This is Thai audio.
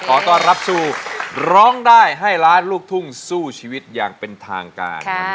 ขอต้อนรับสู่ร้องได้ให้ล้านลูกทุ่งสู้ชีวิตอย่างเป็นทางการ